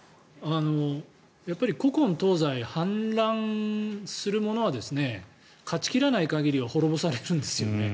古今東西、反乱する者は勝ち切らない限りは滅ぼされるんですよね。